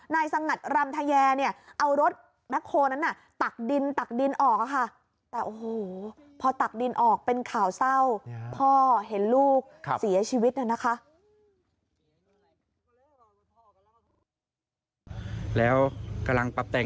นายสังหัสรำทะเยย์เนี่ยเอารถแบ็คโฮล์นั้นน่ะตักดินตักดินออกค่ะ